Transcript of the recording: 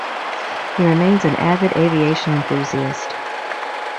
He remains an avid aviation enthusiast.